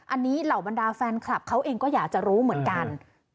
อันนี้เหล่าบรรดาแฟนคลับเขาเองก็อยากจะรู้เหมือนกัน